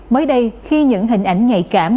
mới đây khi những hình ảnh nhạy cảm